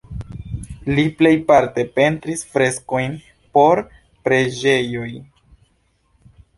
Li plejparte pentris freskojn por preĝejoj.